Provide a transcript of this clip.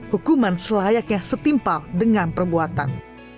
hukuman selayaknya setimpal dengan perbuatan